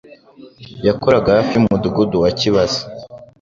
Yakoraga hafi y'umudugudu wa kibaza